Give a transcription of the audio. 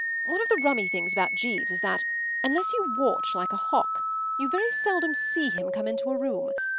One of the rummy things about Jeeves is that, unless you watch like a hawk, you very seldom see him come into a room.